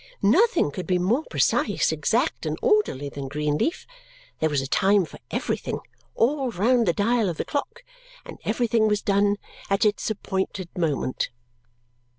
Nothing could be more precise, exact, and orderly than Greenleaf. There was a time for everything all round the dial of the clock, and everything was done at its appointed moment.